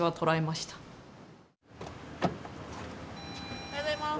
おはようございます。